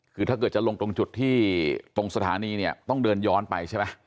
คือถ้าเกิดจะลงตรงจุดที่ตรงสถานีเนี่ยต้องเดินย้อนไปใช่ไหม